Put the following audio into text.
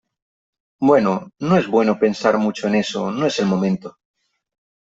bueno , no es bueno pensar mucho en eso , no es el momento .